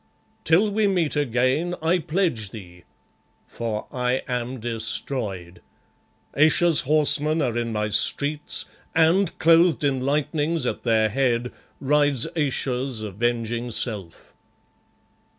Till we meet again I pledge thee, for I am destroyed. Ayesha's horsemen are in my streets, and, clothed in lightnings at their head, rides Ayesha's avenging self.